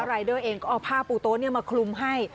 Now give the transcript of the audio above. รายเดอร์เองก็เอาผ้าปูโต๊ะมาคลุมให้